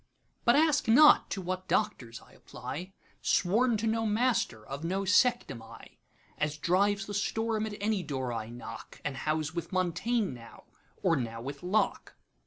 But ask not to what Doctors I apply; Sworn to no master, of no sect am I:As drives the storm, at any door I knock, And house with Montaigne now, or now with Locke.